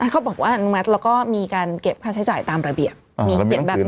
เขาบอกว่าอนุมัติแล้วก็มีการเก็บค่าใช้จ่ายตามระเบียบ